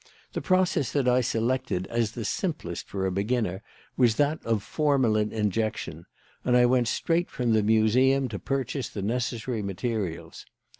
The process that I selected as the simplest for a beginner was that of formalin injection, and I went straight from the Museum to purchase the necessary materials.